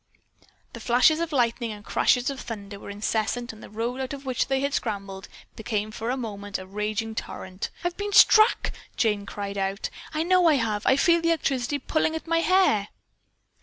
The flashes of lightning and crashes of thunder were incessant and the road out of which they had scrambled became for a moment a raging torrent. "I've been struck," Jane cried out. "I know I have! I feel the electricity pulling at my hair."